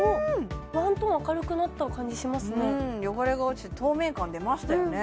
ワントーン明るくなった感じしますね汚れが落ちて透明感出ましたよね